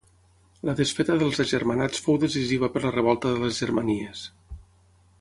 La desfeta dels agermanats fou decisiva per la Revolta de les Germanies.